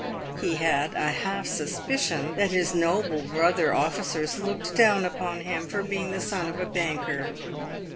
He had a half suspicion that his noble brother officers looked down upon him for being the son of a banker.